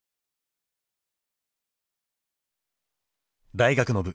大学の部。